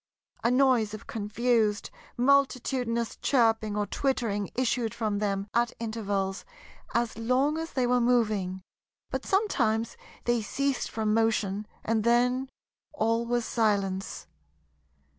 A noise of confused, multitudinous chirping or twittering issued from them at intervals as long as they were moving; but sometimes they ceased from motion, and then all was silence.